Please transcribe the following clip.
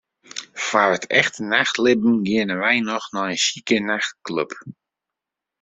Foar it echte nachtlibben geane wy noch nei in sjike nachtklup.